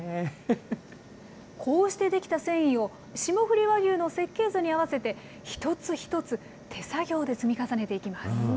こうして出来た繊維を、霜降り和牛の設計図に合わせて、一つ一つ手作業で積み重ねていきます。